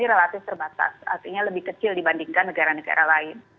artinya lebih kecil dibandingkan negara negara lain